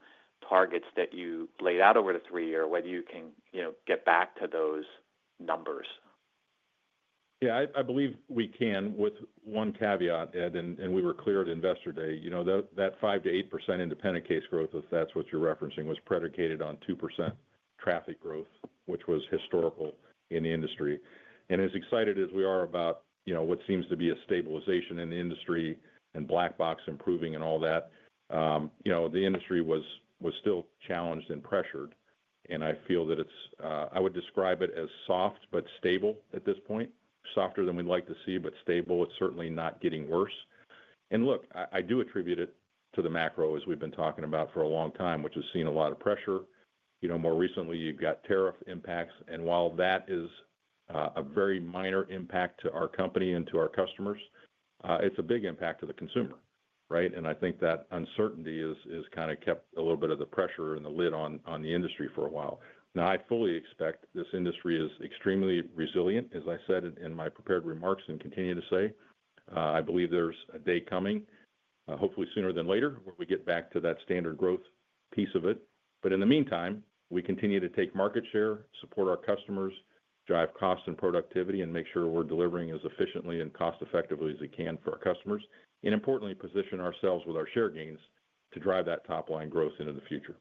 targets that you laid out over the three years or whether you can get back to those numbers. Yeah, I believe we can, with one caveat, Ed, and we were clear at Investor Day that 5%-8% independent case growth, if that's what you're referencing, was predicated on 2% traffic growth, which was historical in the industry. As excited as we are about what seems to be a stabilization in the industry and Black Box improving and all that, the industry was still challenged and pressured. I feel that it's, I would describe it as soft but stable at this point. Softer than we'd like to see, but stable. It's certainly not getting worse. I do attribute it to the macro as we've been talking about for a long time, which has seen a lot of pressure. More recently you've got tariff impacts. While that is a very minor impact to our company and to our customers, it's a big impact to the consumer. I think that uncertainty has kind of kept a little bit of the pressure and the lid on the industry for a while now. I fully expect this industry is extremely resilient. As I said in my prepared remarks, and continue to say, I believe there's a day coming, hopefully sooner than later, where we get back to that standard growth piece of it. In the meantime, we continue to take market share, support our customers, drive cost and productivity, and make sure we're delivering as efficiently and cost effectively as we can for our customers, and importantly, position ourselves with our share gains to drive that top line growth into the future.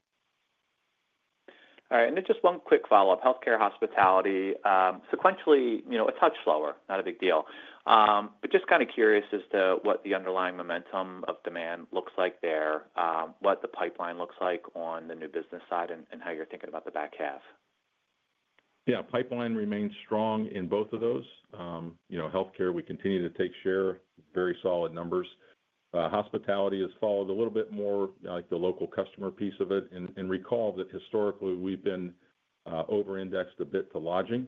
All right, just one quick follow up. Health care, hospitality, sequentially, you know, a touch slower, not a big deal, but just kind of curious as to what the underlying momentum of demand looks like there, what the pipeline looks like on the new business side, and how you're thinking about the back half. Yeah, pipeline remains strong in both of those. You know, health care, we continue to take share, very solid numbers. Hospitality has followed a little bit more like the local customer piece of it. Recall that historically we've been over indexed a bit to lodging,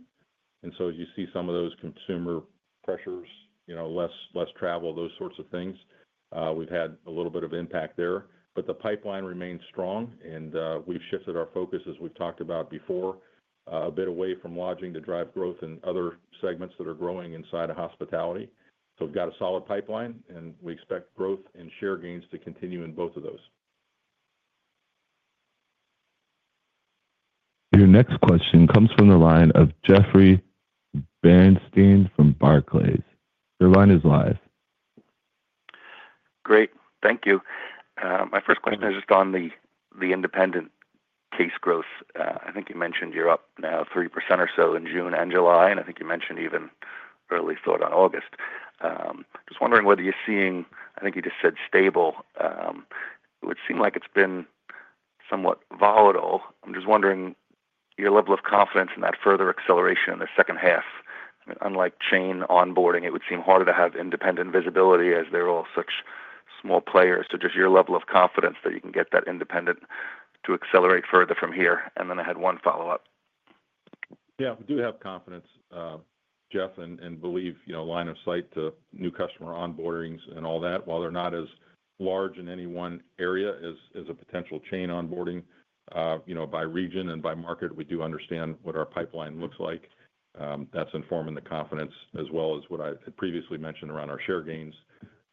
and so you see some of those consumer pressures, you know, less travel, those sorts of things. We've had a little bit of impact there. The pipeline remains strong, and we've shifted our focus, as we've talked about before, a bit away from lodging to drive growth in other segments that are growing inside of hospitality. We've got a solid pipeline, and we expect growth and share gains to continue in both of those. Your next question comes from the line of Jeffrey Bernstein from Barclays. Your line is live. Great, thank you. My first question is just on the independent case growth. I think you mentioned you're up now 3% or so in June and July, and I think you mentioned even early thought on August. Just wondering whether you're seeing, I think you just said stable. It would seem like it's been somewhat volatile. I'm just wondering your level of confidence in that further acceleration in the second half. Unlike chain onboarding, it would seem harder to have independent visibility as they're all such small players, just your level of confidence that you can get that independent to accelerate further from here. Then I had one follow up. Yeah, we do have confidence, Jeff, and believe, you know, line of sight to new customer onboardings and all that. While they're not as large in any one area as a potential chain onboarding, you know, by region and by market, we do understand what our pipeline looks like. That's informing the confidence, as well as what I previously mentioned around our share gains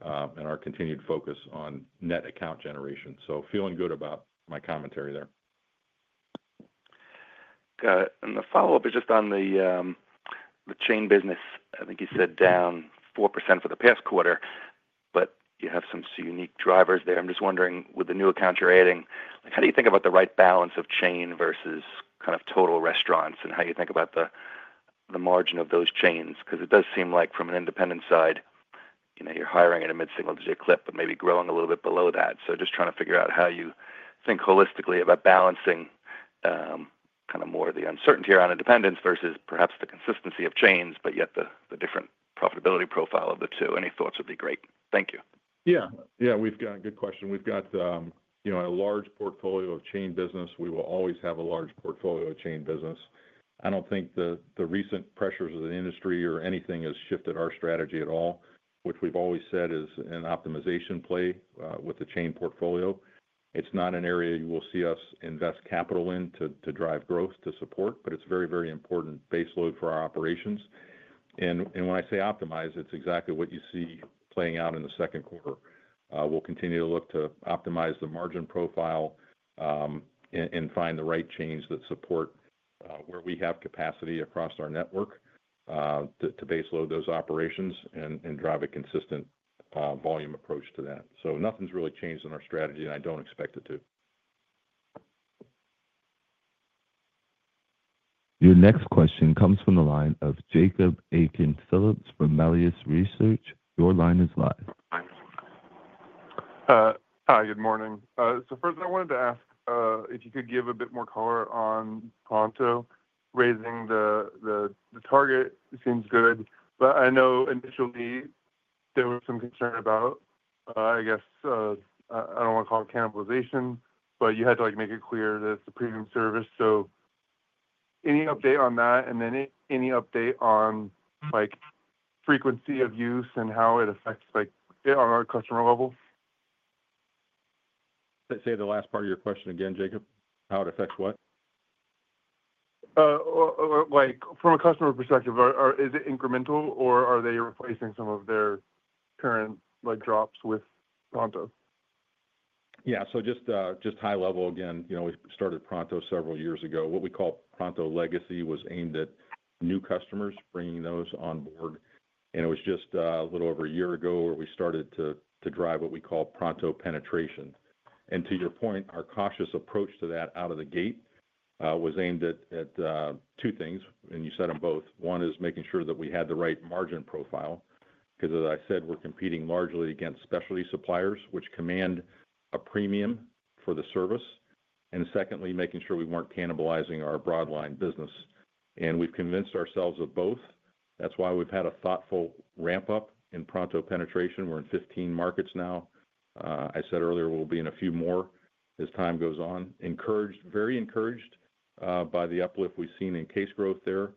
and our continued focus on net account generation. Feeling good about my commentary there. Got it. The follow up is just on the chain business. I think you said down 4% for the past quarter, but you have some unique drivers there. I'm just wondering, with the new account you're adding, how do you think about the right balance of chain versus total restaurants and how you think about the margin of those chains? It does seem like from an independent side you're hiring at a mid single digit clip but maybe growing a little bit below that. Just trying to figure out how you think holistically about balancing more of the uncertainty around independents versus perhaps the consistency of chains, but yet the different profitability profile of the two. Any thoughts would be great. Thank you. Yeah, we've got a large portfolio of chain business. We will always have a large portfolio of chain business. I don't think the recent pressures of the industry or anything has shifted our strategy at all, which we've always said is an optimization play with the chain portfolio. It's not an area you will see us invest capital in to drive growth, to support, but it's very, very important baseload for our operations. When I say optimize, it's exactly what you see playing out in the second quarter. We'll continue to look to optimize the margin profile and find the right chains that support where we have capacity across our network to baseload those operations and drive a consistent volume approach to that. Nothing's really changed in our strategy and I don't expect it to. Your next question comes from the line of Jacob Aiken Phillips from Melius Research. Your line is live. Hi, good morning. First I wanted to ask if you could give a bit more color on Pronto raising the target. The target seems good, but I know initially there was some concern about, I guess I don't want to call it cannibalization, but you had to make it clear that it's a premium service. Any update on that and then any update on frequency of use and how it affects on a customer level? Say the last part of your question again, Jacob. How it affects what, like from a customer perspective, is it incremental or are they replacing some of their current drops with Pronto? Yeah, just high level again. We started Pronto several years ago. What we call Pronto legacy was aimed at new customers bringing those on board. It was just a little over a year ago where we started to drive what we call Pronto penetration. To your point, our cautious approach to that out of the gate was aimed at two things and you said them both. One is making sure that we had the right margin profile because as I said we're competing largely against specialty suppliers which command a premium for the service, and secondly, making sure we weren't cannibalizing our broadline business. We've convinced ourselves of both. That's why we've had a thoughtful ramp up in Pronto penetration. We're in 15 markets now. I said earlier we'll be in a few more as time goes on. Encouraged, very encouraged by the uplift we've seen in case growth there.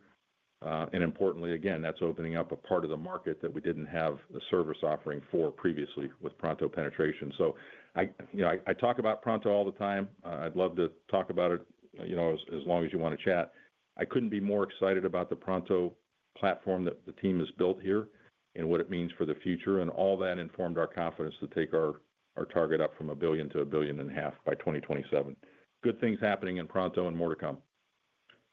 Importantly, that's opening up a part of the market that we didn't have the service offering for previously with Pronto penetration. I talk about Pronto all the time. I'd love to talk about it as long as you want to chat. I couldn't be more excited about the Pronto platform that the team has built here and what it means for the future, and all that informed our confidence to take our target up from $1 billion-$1.5 billion by 2027. Good things happening in Pronto and more to come.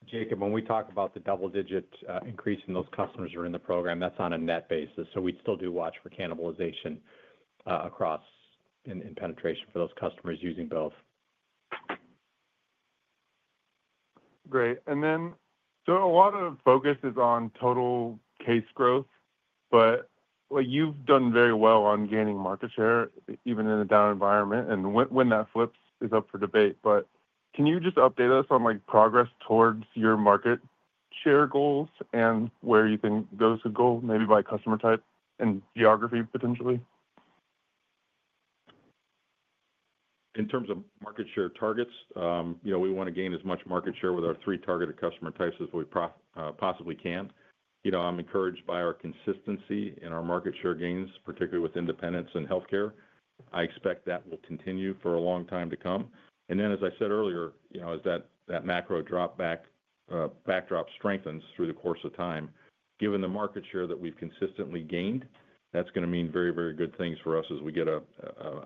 Jacob, when we talk about the double-digit increase in those customers that are in the program, that's on a net basis. We still do watch for cannibalization across in penetration for those customers using both. Great. A lot of focus is on total case growth, but you've done very well on gaining market share even in a down environment, and when that flips is up for debate. Can you just update us on progress towards your market share goals and where you can go, maybe by customer type and geography, potentially? In terms of market share targets, we want to gain as much market share with our three targeted customer types as we possibly can. I'm encouraged by our consistency in our market share gains, particularly with independents and healthcare. I expect that will continue for a long time to come. As I said earlier, as that macro backdrop strengthens through the course of time, given the market share that we've consistently gained, that's going to mean very, very good things for us as we get a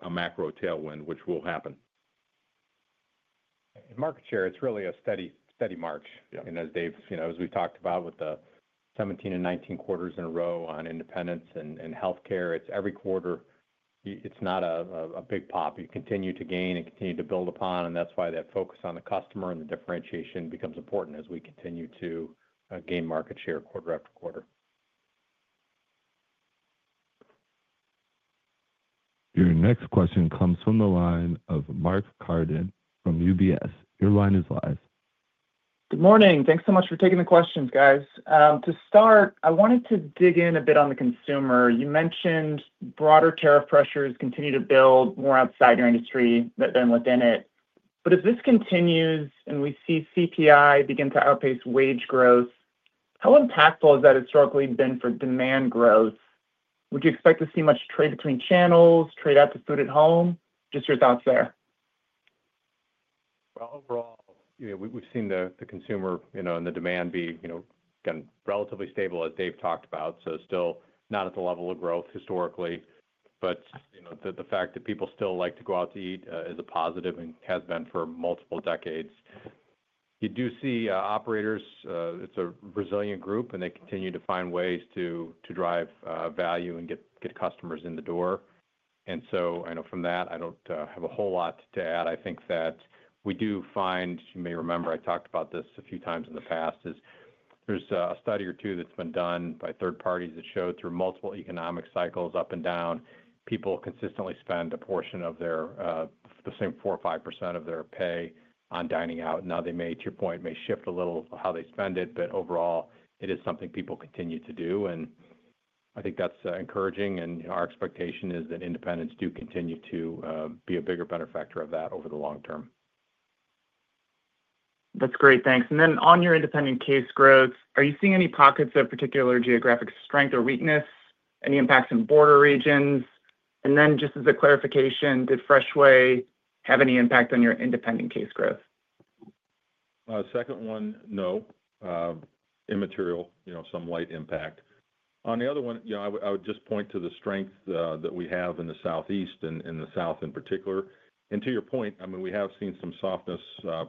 macro tailwind, which will happen. In market share, it's really a steady, steady march. As David, you know, as we talked about with the 17 and 19 quarters in a row on independents and health care, it's every quarter, it's not a big pop. You continue to gain and continue to build upon, and that's why that focus on the customer and the differentiation becomes important as we continue to gain market share quarter after quarter. Your next question comes from the line of Mark Carden from UBS. Your line is live. Good morning. Thanks so much for taking the questions, guys. To start, I wanted to dig in a bit on the consumer. You mentioned broader tariff pressures continue to build more outside your industry than within it. If this continues and we see CPI begin to outpace wage growth, how impactful has that historically been for demand growth? Would you expect to see much trade between channels, trade out to food at home? Just your thoughts there. Overall, we've seen the consumer and the demand be relatively stable as David talked about. Still not at the level of growth historically, but the fact that people still like to go out to eat is a positive and has been for multiple decades. You do see operators, it's a resilient group, and they continue to find ways to drive value and get customers in the door. I know from that I don't have a whole lot to add. I think that we do find, you may remember I talked about this a few times in the past, there's a study or two that's been done by third parties that showed through multiple economic cycles, up and down, people consistently spend a portion of their, the same 4 or 5% of their pay on dining out. They may, to your point, shift a little how they spend it, but overall it is something people continue to do and I think that's encouraging. Our expectation is that independents do continue to be a bigger benefactor of that over the long term. That's great, thanks. On your independent case growth, are you seeing any pockets of particular geographic strength or weakness, any impacts in border regions? Just as a clarification, did Freshway have any impact on your independent case growth? Second one, no, immaterial, some light impact on the other one. I would just point to the strength that we have in the Southeast and the South in particular. To your point, we have seen some softness,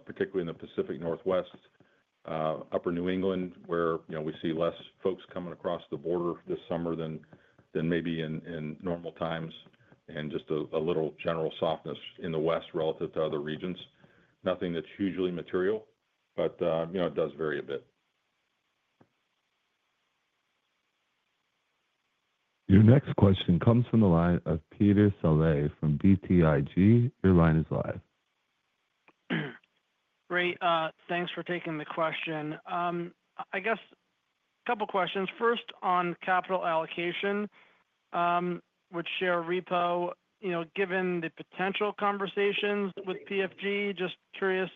particularly in the Pacific Northwest and Upper New England, where we see fewer folks coming across the border this summer than maybe in normal times and just a little general softness in the West relative to other regions. Nothing that's hugely material, but it does vary a bit. Your next question comes from the line of Peter Saleh from BTIG. Your line is live. Great, thanks for taking the question. I guess a couple questions. First, on capital allocation with share repurchases. Given the potential conversations with Performance Food Group, just curious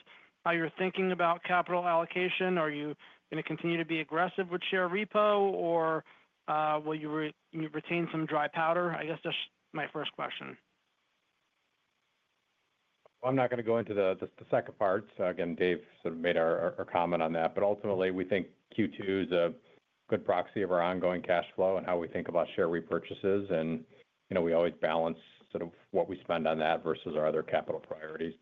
how you're thinking about capital allocation. Are you going to continue to be aggressive with share repurchases or will you retain some dry powder? I guess that's my first question. I'm not going to go into the second part again. David sort of made our comment on that. Ultimately, we think Q2 is a good proxy of our ongoing cash flow and how we think about share repurchases. We always balance what we spend on that versus our other capital priorities.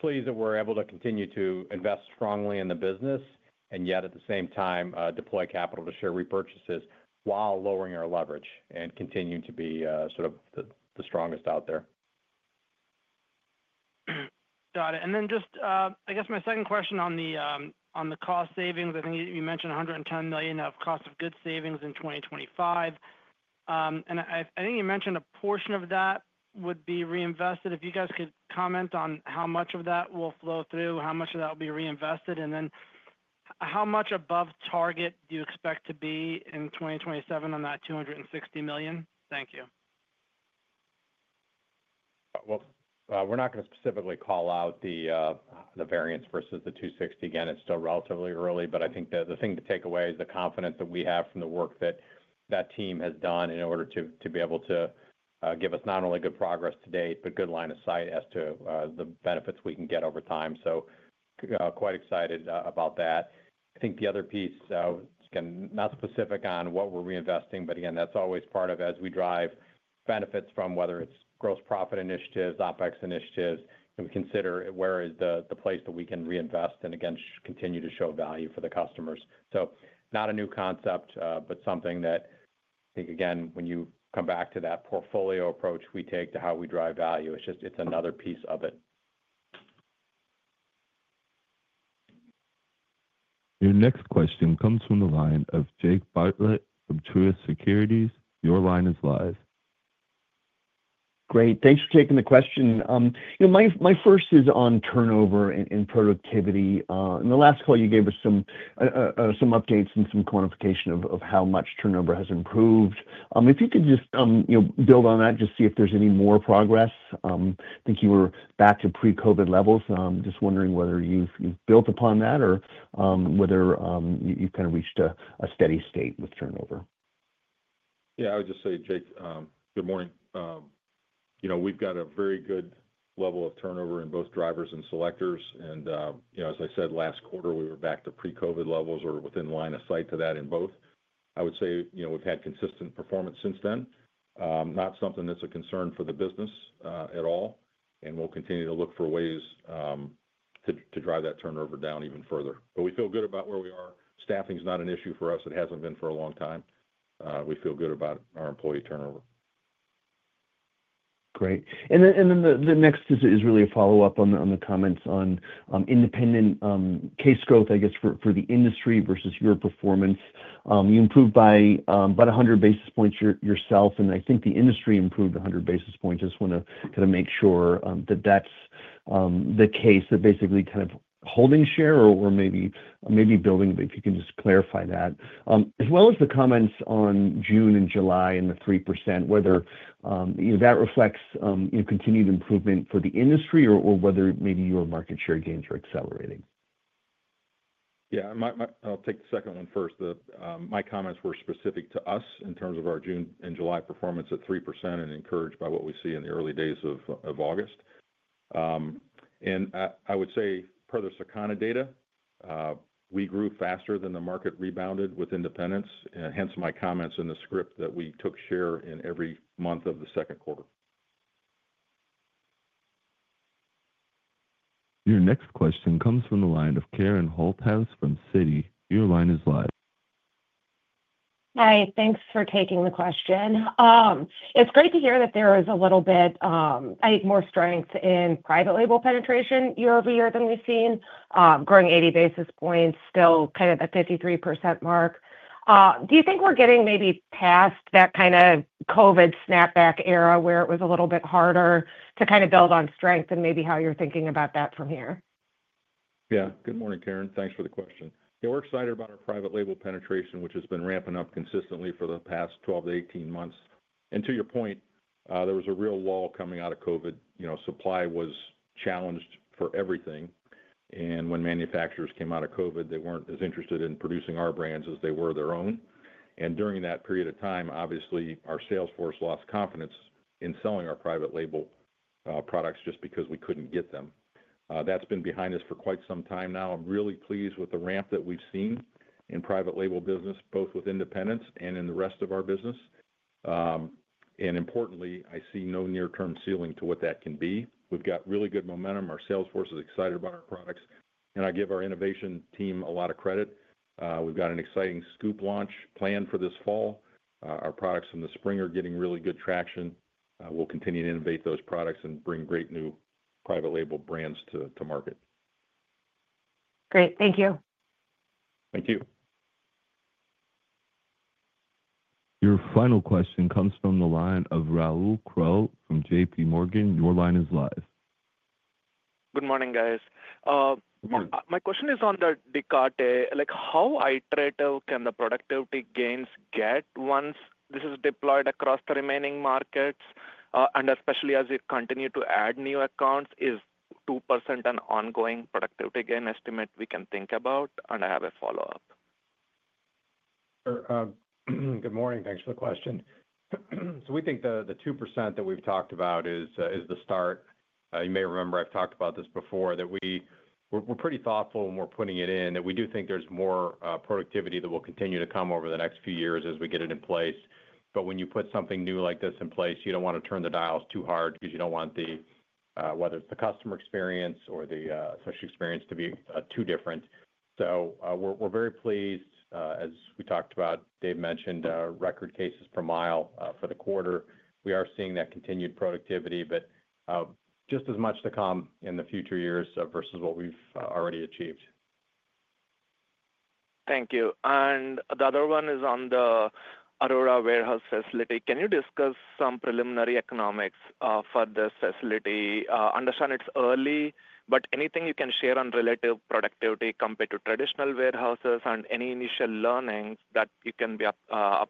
Pleased that we're able to continue to invest strongly in the business and at the same time deploy capital to share repurchases while lowering our leverage and continuing to be the strongest out there. Got it. My second question on the cost savings, I think you mentioned $110 million of cost of goods savings in 2025 and I think you mentioned a portion of that would be reinvested. If you could comment on how much of that will flow through, how much of that will be reinvested, and then how much above target do you expect to be in 2027 on that $260 million. Thank you. We're not going to specifically call out the variance versus the $260 million. Again, it's still relatively early, but the takeaway is the confidence that we have from the work that team has done in order to be able to give us not only good progress to date but good line of sight as to the benefits we can get over time. Quite excited about that. The other piece, not specific on what we're reinvesting, but that's always part of as we drive benefits from whether it's gross profit initiatives, OpEx initiatives, and we consider where is the place that we can reinvest and continue to show value for the customers. Not a new concept, but something to think again. When you come back to that portfolio approach we take to how we drive value, it's just, it's another piece of it. Your next question comes from the line of Jake Bartlett from Truist Securities. Your line is live. Great, thanks for taking the question. My first is on turnover and productivity. In the last call you gave us some updates and some quantification of how much turnover has improved. If you could just build on that, just see if there's any more progress. I think you were back to pre-Covid levels. Just wondering whether you've built upon that or whether you've kind of reached a steady state with turnover. I would just say, Jake, good morning. We've got a very good level of turnover in both drivers and selectors. As I said last quarter, we were back to pre-Covid levels or within line of sight to that. In both, I would say we've had consistent performance since then. Not something that's a concern for the business at all. We will continue to look for ways to drive that turnover down even further. We feel good about where we are. Staffing is not an issue for us. It hasn't been for a long time. We feel good about our employee turnover. Great. The next is really a follow up on the comments on independent case growth. I guess for the industry versus your performance, you improved by about 100 basis points yourself. I think the industry improved 100 basis points. Just want to make sure that that's the case. That basically kind of holding share or maybe building. If you can just clarify that as well as the comments on June and July and the 3%, whether that reflects continued improvement for the industry or whether maybe your market share gains are accelerating. I'll take the second one first. My comments were specific to us in terms of our June and July performance at 3% and encouraged by what we see in the early days of August. I would say, per the Circana data, we grew faster than the market rebounded with independents. Hence my comments in the script that we took share in every month of the second quarter. Your next question comes from the line of Karen Holthouse from Citi. Your line is live. Hi, thanks for taking the question. It's great to hear that there is a little bit more strength in private label penetration year-over-year than we've seen, growing 80 basis points, still kind of at 53% mark. Do you think we're getting maybe past that kind of COVID snapback era where it was a little bit harder to kind of build on strength and maybe how you're thinking about that from here. Yeah. Good morning, Karen. Thanks for the question. Yeah, we're excited about our private label penetration which has been ramping up consistently for the past 12 to 18 months. To your point, there was a real lull coming out of COVID. You know, supply was challenged for everything. When manufacturers came out of COVID they weren't as interested in producing our brands as they were their own. During that period of time, obviously our sales force lost confidence in selling our private label products just because we couldn't get them. That's been behind us for quite some time now. I'm really pleased with the ramp that we've seen in private label business, both with independents and in the rest of our business. Importantly, I see no near term ceiling to what that can be. We've got really good momentum. Our sales force is excited about our products and I give our innovation team a lot of credit. We've got an exciting scoop launch planned for this fall. Our products in the spring are getting really good traction. We'll continue to innovate those products and bring great new private label brands to market. Great. Thank you. Thank you. Your final question comes from the line of Rahul Krotthapalli from JPMorgan. Your line is live. Good morning guys. My question is on the Descartes. Like how iterative can the productivity gains get once this is deployed across the remaining markets and especially as we continue to add new accounts. Is 2% an ongoing productivity gain estimate we can think about. I have a follow up. Good morning. Thanks for the question. We think the 2% that we've talked about is the start. You may remember, I've talked about this before, that we were pretty thoughtful when we're putting it in that we do think there's more productivity that will continue to come over the next few years as we get it in place. When you put something new like this in place, you don't want to turn the dials too hard because you don't want the, whether it's the customer experience or the social experience to be too different. We're very pleased. As we talked about David mentioned, record cases per mile for the quarter. We are seeing that continued productivity but just as much to come in the future years versus what we've already achieved. Thank you. The other one is on the Aurora warehouse facility. Can you discuss some preliminary economics for this facility? Understand it's early, but anything you can share on relative productivity compared to traditional warehouses and any initial learnings that you can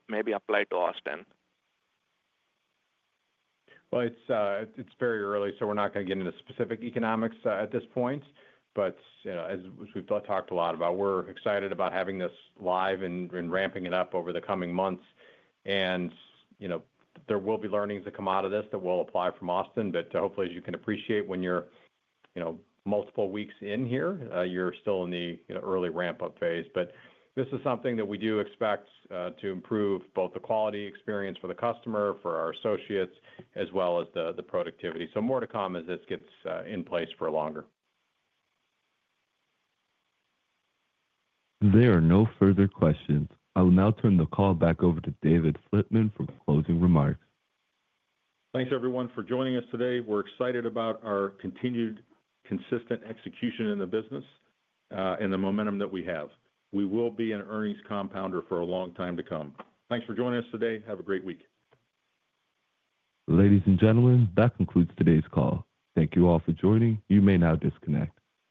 maybe apply to Austin? It's very early so we're not going to get into specific economics at this point. As we've talked a lot about, we're excited about having this live and ramping it up over the coming months. There will be learnings that come out of this that will apply from Austin. Hopefully, as you can appreciate, when you're multiple weeks in here, you're still in the early ramp up phase. This is something that we do expect to improve both the quality experience for the customer, for our associates, as well as the productivity. More to come as this gets in place for longer. There are no further questions. I will now turn the call back over to David Flitman for closing remarks. Thanks, everyone, for joining us today. We're excited about our continued consistent execution in the business and the momentum that we have. We will be an earnings compounder for a long time to come. Thanks for joining us today. Have a great week. Ladies and gentlemen, that concludes today's call. Thank you all for joining. You may now disconnect.